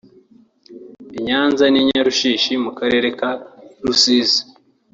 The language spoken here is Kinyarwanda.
i Nyanza n’Inyarushishi mu karere ka Rusizi